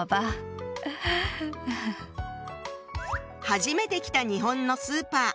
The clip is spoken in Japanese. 初めて来た日本のスーパー。